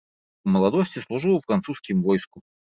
У маладосці служыў у французскім войску.